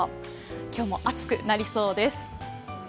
今日も暑くなりそうです。